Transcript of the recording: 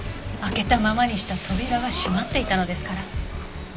開けたままにした扉が閉まっていたのですから。